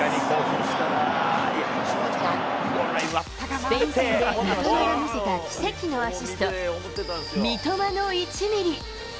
スペイン戦で三笘が見せた奇跡のアシスト、三笘の１ミリ。